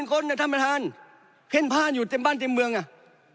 ๘๕๐๐๐๐คนอะแท่มอาทานเข้นพร่านอยู่เต็มบ้านเต็มเมืองเนี่ย